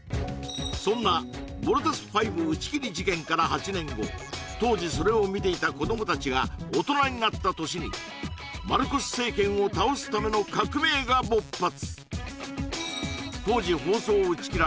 そんな「ボルテスＶ」打ち切り事件から８年後当時それを見ていた子ども達が大人になった年にマルコス政権を倒すための革命が勃発